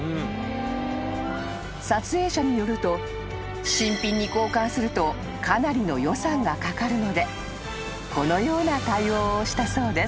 ［撮影者によると新品に交換するとかなりの予算がかかるのでこのような対応をしたそうです］